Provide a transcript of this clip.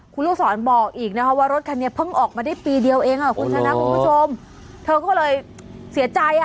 คุณลูกศรบอกอีกนะคะว่ารถคนนี้เพิ่งออกมาได้ปีเดียวเองน่ะเขาก็เลยเสียใจ